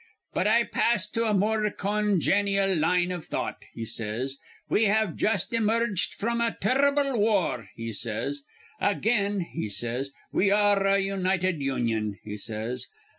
'] 'But I pass to a more conganial line iv thought,' he says. 'We have just emerged fr'm a turrible war,' he says. 'Again,' he says, 'we ar re a united union,' he says.